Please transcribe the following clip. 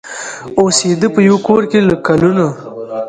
اوسېده په یوه کورکي له کلونو